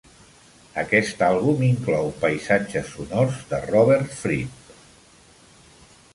Aquest àlbum inclou paisatges sonors de Robert Fripp.